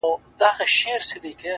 • نه د ژړا نه د خندا خاوند دی،